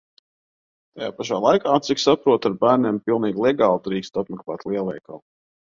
Tajā pašā laikā, cik saprotu, ar bērniem pilnīgi legāli drīkstu apmeklēt lielveikalu.